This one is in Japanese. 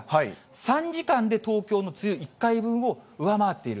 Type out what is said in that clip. ３時間で東京の梅雨１回分を上回っている。